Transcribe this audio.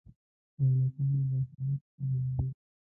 دولتونه داخلې ستونزې لري.